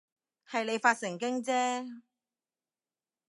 係你發神經啫